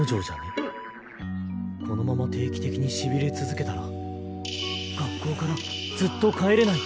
このまま定期的にしびれ続けたら